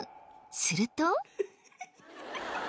すると。